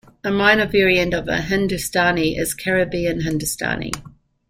A minor variant of Hindustani is Caribbean Hindustani.